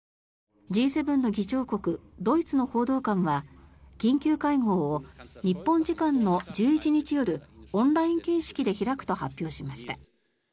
Ｇ７の議長国ドイツの報道官は緊急会合を日本時間の１１日夜オンライン形式で開くと発表しました。